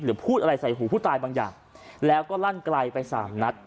พูดอะไรใส่หูผู้ตายบางอย่างแล้วก็ลั่นไกลไปสามนัด